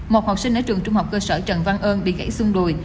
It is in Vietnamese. một học sinh ở trường trung học cơ sở trần văn ơn bị gãy xương đùi